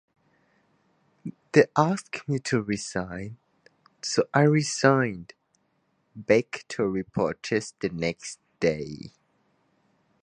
They asked me to resign, so I resigned, Beck told reporters the next day.